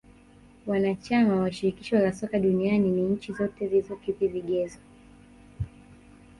Wanachama wa shirikisho la soka duniani ni nchi zote zilizokidhi vigezo